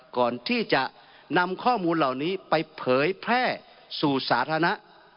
ก่อนที่จะนำข้อมูลเหล่านี้ไปเผยแพร่สู่สาธารณะ